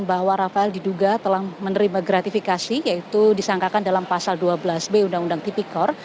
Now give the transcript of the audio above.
bahwa rafael diduga telah menerima gratifikasi yaitu disangkakan dalam pasal dua belas b undang undang tipikor